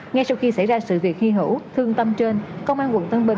ngay sau khi xảy ra sự việc hy hữu thương tâm trên công an quận tân bình